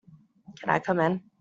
Can I come in?